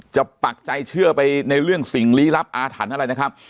ปักใจเชื่อไปในเรื่องสิ่งลี้ลับอาถรรพ์อะไรนะครับ